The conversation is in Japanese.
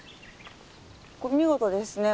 見事ですね。